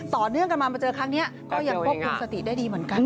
ต่อเนื่องกันมามาเจอครั้งนี้ก็ยังควบคุมสติได้ดีเหมือนกัน